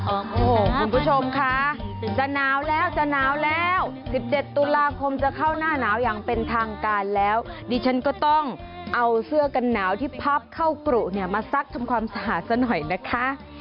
โอ้โหคุณผู้ชมค่ะจะหนาวแล้วจะหนาวแล้ว๑๗ตุลาคมจะเข้าหน้าหนาวอย่างเป็นทางการแล้วดิฉันก็ต้องเอาเสื้อกันหนาวที่พับเข้ากรุเนี่ยมาซักทำความสะอาดซะหน่อยนะคะ